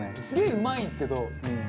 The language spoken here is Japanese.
すげえうまいんですけど。